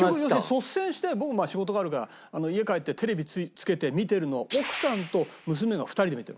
率先して僕仕事があるから家帰ってテレビつけて見てるのを奥さんと娘が２人で見てるの。